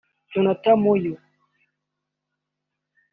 Jonathan Moyo